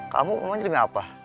kamu emangnya demi apa